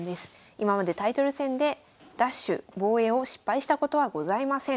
今までタイトル戦で奪取防衛を失敗したことはございません。